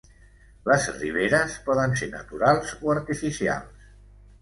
Les riberes poden ser naturals o artificials.